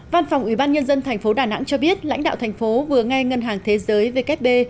văn phòng ủy ban nhân dân tp đà nẵng cho biết lãnh đạo thành phố vừa ngay ngân hàng thế giới vkp